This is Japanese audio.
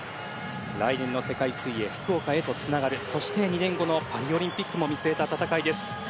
来年の世界水泳福岡へとつながるそして２年後のパリオリンピックも見据えた戦いです。